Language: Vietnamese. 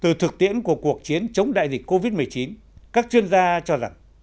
trong thời điểm của cuộc chiến chống đại dịch covid một mươi chín các chuyên gia cho rằng